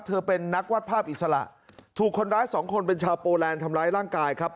เป็นนักวาดภาพอิสระถูกคนร้ายสองคนเป็นชาวโปแลนด์ทำร้ายร่างกายครับ